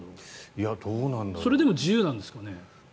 それでも自由なんですかね。